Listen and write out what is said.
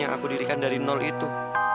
yang aku dirikan dari nol itu